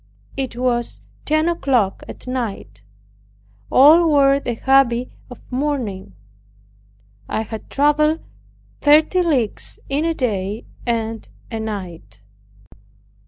It was ten o'clock at night. All wore the habit of mourning. I had traveled thirty leagues in a day and a night.